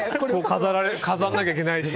飾らなきゃいけないし。